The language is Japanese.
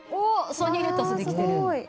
サニーレタスできてる。